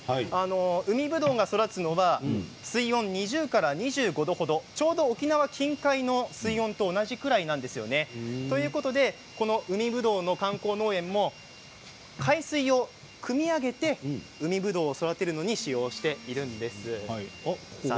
海ぶどうが育つのは水温が２０から２５度ぐらいちょうど沖縄近海の水温と同じぐらいなんです。ということで海ぶどうの観光農園も海水をくみ上げて海ぶどうを育てるのに使用しているんです。